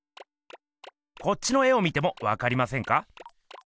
こっちの絵を見てもわかりませんか？